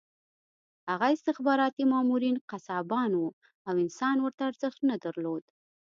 هغه استخباراتي مامورین قصابان وو او انسان ورته ارزښت نه درلود